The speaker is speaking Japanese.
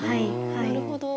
なるほど。